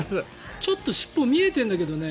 ちょっと尻尾が見えてるんだけどね。